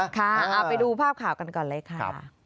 ค่ะเอาไปดูภาพข่าวกันก่อนเลยค่ะ